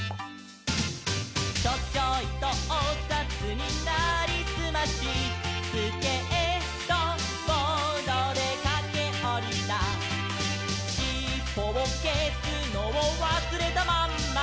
「チョチョイとおさつになりすまし」「スケートボードでかけおりた」「しっぽをけすのをわすれたまんま」